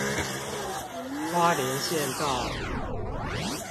花蓮縣道